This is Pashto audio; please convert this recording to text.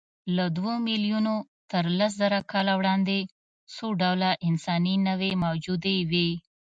له دوو میلیونو تر لسزره کاله وړاندې څو ډوله انساني نوعې موجودې وې.